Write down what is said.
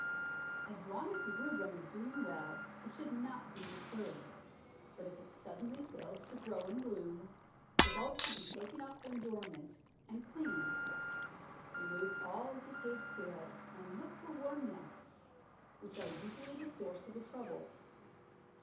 As long as the rubrum is doing well it should not be disturbed, but if it suddenly fails to grow and bloom the bulbs should be taken up when dormant, and cleansed. Remove all decayed scales and look for worm nests, which are usually the source of the trouble.